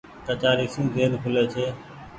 ڪچآري سون زين کولي ڇي۔